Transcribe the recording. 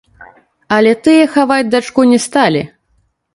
Але тыя хаваць дачку не сталі.